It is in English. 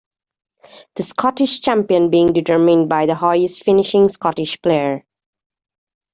The Scottish Champion being determined by the highest finishing Scottish player.